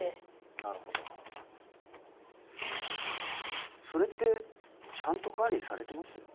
なるほどそれってちゃんと管理されてます？